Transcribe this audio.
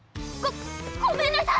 ごごめんなさい！